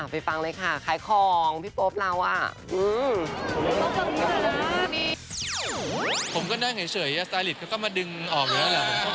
ผมก็นั่งเหมือนเฉยเซอร์ฟส์ก็มาดึงออกเลยแล้ว